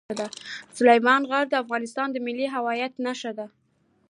سلیمان غر د افغانستان د ملي هویت نښه ده.